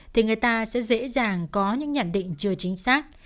thì người ta sẽ dễ dàng có những nhận định chưa chính xác